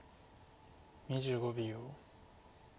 ２５秒。